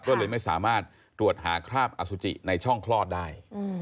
ก็เลยไม่สามารถตรวจหาคราบอสุจิในช่องคลอดได้